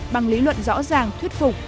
bằng lý luận rõ ràng thuyết phục